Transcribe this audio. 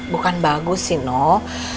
bukan bagus sih noh